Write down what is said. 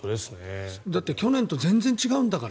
だって、去年と全然違うんだから。